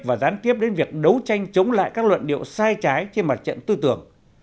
và gián tiếp đến việc đấu tranh chống lại các luận điệu sai trái trên mặt trận tư tưởng